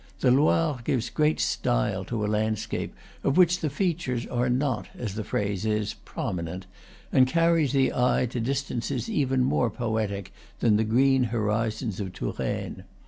The Loire gives a great "style" to a landscape of which the features are not, as the phrase is, promi nent, and carries the eye to distances even more poetic than the green horizons of Touraine.